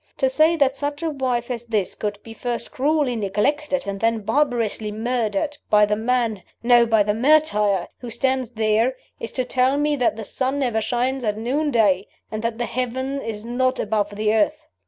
To say that such a wife as this could be first cruelly neglected, and then barbarously murdered, by the man no! by the martyr who stands there, is to tell me that the sun never shines at noonday, or that the heaven is not above the earth.